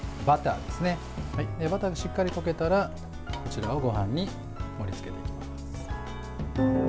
バターがしっかり溶けたらこちらをごはんに盛りつけていきます。